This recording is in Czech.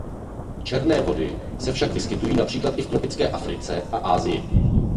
Černé vody se však vyskytují například i v tropické Africe a Asii.